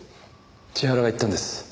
千原が言ったんです。